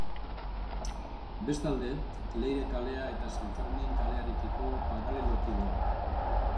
Bestalde, Leire kalea eta San Fermin kalearekiko paraleloki doa.